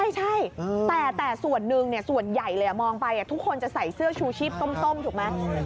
ใช่แต่ส่วนหนึ่งส่วนใหญ่เลยมองไปทุกคนจะใส่เสื้อชูชีพส้มถูกไหม